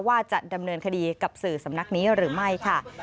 ว่าจะดำเนินคดีกับสื่อสำนักนี้หรือไม่ค่ะ